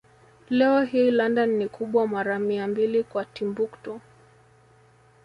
Leo hii London ni kubwa mara mia mbili kwa Timbuktu